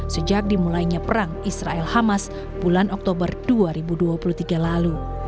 sejak dimulainya perang israel hamas bulan oktober dua ribu dua puluh tiga lalu